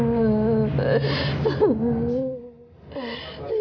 ya ampun ki